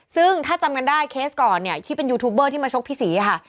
ซึ่งถ้าจำกันได้เคสก่อนเนี่ยที่เป็นยูทูบเบอร์ที่มาชกพี่ศรีค่ะ